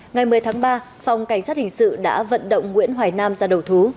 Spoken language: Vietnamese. ngày một mươi tháng ba phòng cảnh sát hình sự đã vận động nguyễn hoài nam ra đầu thú